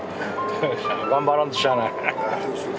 頑張らんとしゃあない。